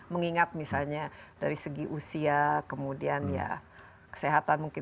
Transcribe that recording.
mengingat misalnya dari segi usia kemudian ya kesehatan mungkin